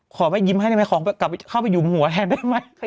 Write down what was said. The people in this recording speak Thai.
ขอแม่ยิ้มให้แม่ของกลับเข้าไปหยุมหัวแทนได้ไหม